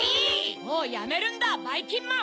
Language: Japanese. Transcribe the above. もうやめるんだばいきんまん！